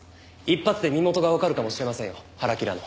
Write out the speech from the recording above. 一発で身元がわかるかもしれませんよハラキラの。